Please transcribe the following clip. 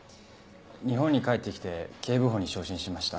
日本に帰ってきて警部補に昇進しました。